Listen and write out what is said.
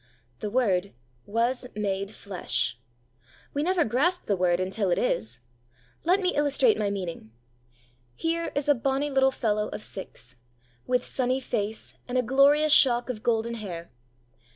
'The Word was made flesh.' We never grasp the Word until it is. Let me illustrate my meaning. Here is a bonny little fellow of six, with sunny face and a glorious shock of golden hair.